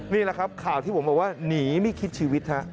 นี่แหละครับข่าวที่ผมบอกว่าหนีไม่คิดชีวิตฮะ